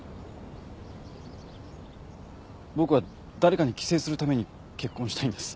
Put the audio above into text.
僕は誰かに寄生するために結婚したいんです。